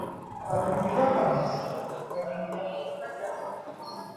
Abatujju baava mu nsiko nebayingira ebibuga.